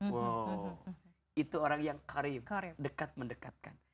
wow itu orang yang karim dekat mendekatkan